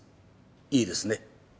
いいですね？